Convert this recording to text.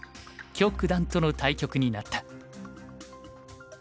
許九段との対局になった。